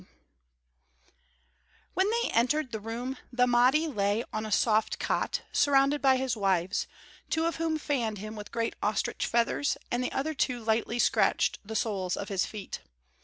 XVIII When they entered the room, the Mahdi lay on a soft cot, surrounded by his wives, two of whom fanned him with great ostrich feathers and the other two lightly scratched the soles of his feet.